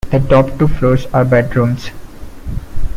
The top two floors are bedrooms.